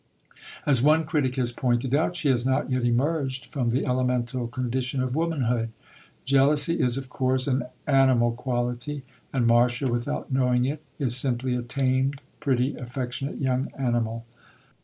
As one critic has pointed out, "she has not yet emerged from the elemental condition of womanhood." Jealousy is, of course, an "animal quality," and Marcia, without knowing it, is simply a tamed, pretty, affectionate young animal.